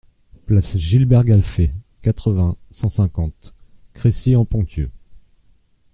Place Gilbert Gaffet, quatre-vingts, cent cinquante Crécy-en-Ponthieu